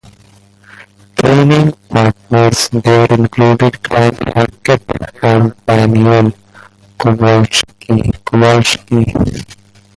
Training partners there included Grant Hackett and Daniel Kowalski.